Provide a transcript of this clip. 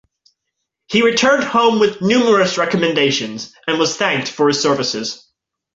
He returned home with numerous recommendations, and was thanked for his services.